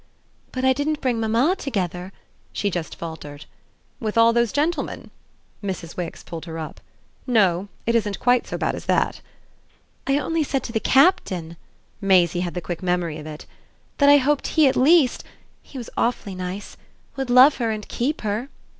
"But I didn't bring mamma together " She just faltered. "With all those gentlemen?" Mrs. Wix pulled her up. "No; it isn't quite so bad as that." "I only said to the Captain" Maisie had the quick memory of it "that I hoped he at least (he was awfully nice!) would love her and keep her."